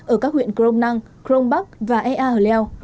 ở các huyện crom năng crong bắc và ea hờ leo